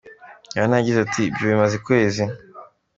Rihanna yagize ati, Ibyo bimaze ukwezi,.